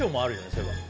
そういえばね